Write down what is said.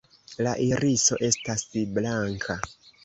La iriso estas blanka.